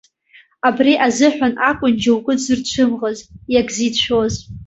Абри азыҳәан акәын џьоукы дзырцәымӷыз, иагьзицәшәоз.